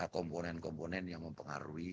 komponen komponen yang mempengaruhi